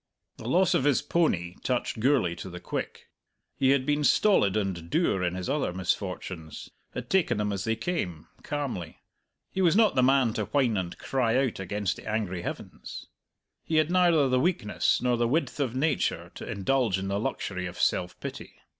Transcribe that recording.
The loss of his pony touched Gourlay to the quick. He had been stolid and dour in his other misfortunes, had taken them as they came, calmly; he was not the man to whine and cry out against the angry heavens. He had neither the weakness nor the width of nature to indulge in the luxury of self pity.